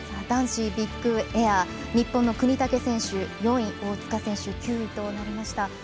男子ビッグエア日本の國武選手、４位大塚選手、９位となりました。